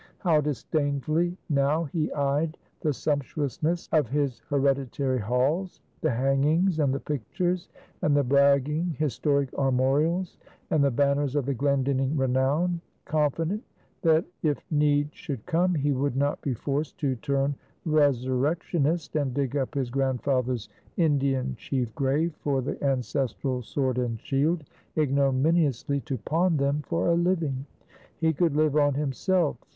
How disdainfully now he eyed the sumptuousness of his hereditary halls the hangings, and the pictures, and the bragging historic armorials and the banners of the Glendinning renown; confident, that if need should come, he would not be forced to turn resurrectionist, and dig up his grandfather's Indian chief grave for the ancestral sword and shield, ignominiously to pawn them for a living! He could live on himself.